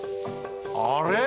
あれ？